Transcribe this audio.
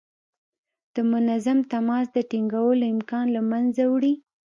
د منظم تماس د ټینګولو امکان له منځه وړي.